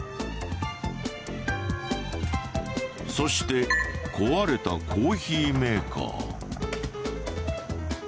そして壊れたコーヒーメーカー。